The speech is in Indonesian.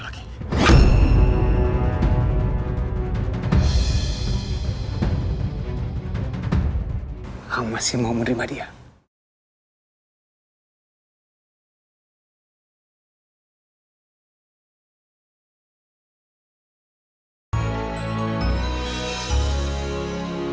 jangan berganggu lagi